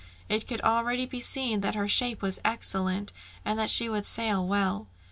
It could already be seen that her shape was excellent, and that she would sail well.